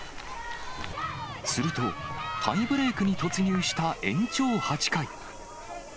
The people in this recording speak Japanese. すると、タイブレークに突入した延長８回。